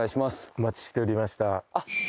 お待ちしておりました